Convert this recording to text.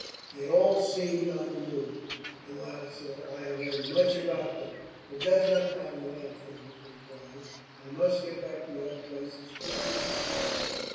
"They all seem on the move," the latter said. "I have heard much about them." "It does not matter, now," Fergus replied. "I must get back to your place, as quickly as I can."